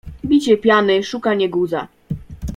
Bicie piany, szukanie guza.